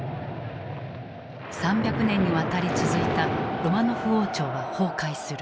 ３００年にわたり続いたロマノフ王朝は崩壊する。